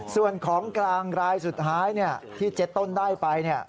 ส่วนของกลางรายสุดท้ายที่เจ๊ต้นได้ไป